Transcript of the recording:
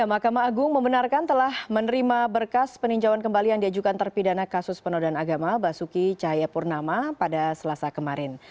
mahkamah agung membenarkan telah menerima berkas peninjauan kembali yang diajukan terpidana kasus penodaan agama basuki cahayapurnama pada selasa kemarin